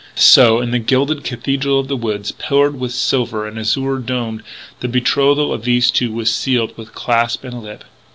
So, in the gilded cathedral of the woods, pillared with silver, and azure domed, the betrothal of these two was sealed with clasp and lip.